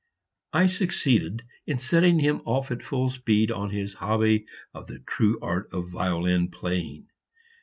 I succeeded in setting him off at full speed on his hobby of the true art of violin playing.